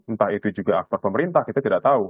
entah itu juga aktor pemerintah kita tidak tahu